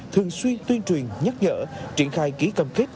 thường xuyên tuyên truyền nhắc nhở triển khai ký cầm kết